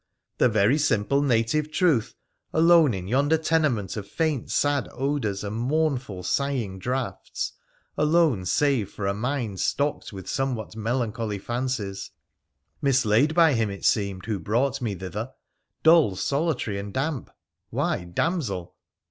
'' The very simple, native truth !— alone in yonder tenement of faint sad odours and mournful sighing draughts, alone save for a mind stocked with somewhat melancholy fancies — mislaid by him, it seemed, who brought me thither— dull, solitary, and damp — why, damsel